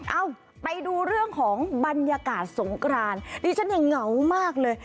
เอ้าไปดูเรื่องของบรรยากาศสงกรานดิฉันเนี่ยเหงามากเลย